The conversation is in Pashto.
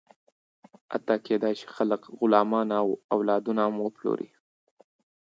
حتی کېدی شي، خلک غلامان او اولادونه هم وپلوري.